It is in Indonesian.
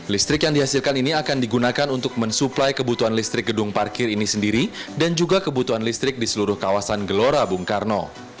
listrik yang dihasilkan ini akan digunakan untuk mensuplai kebutuhan listrik gedung parkir ini sendiri dan juga kebutuhan listrik di seluruh kawasan gelora bung karno